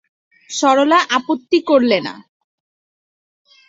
সরলা আপত্তি করলে না।